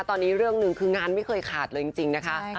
ตอนนี้เรื่องหนึ่งคืองานไม่เคยขาดเลยจริงนะคะ